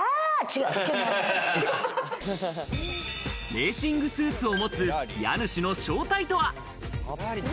レーシングスーツを持つ家主の正体とは？